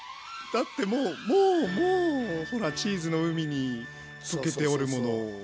だってもうもうもうほらチーズの海に溶けておるもの。